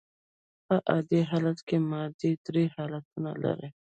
په عادي حالت کي ماده درې حالتونه لري.